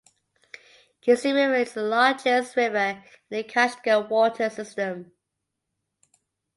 Kezi River is the largest river in the Kashgar water system.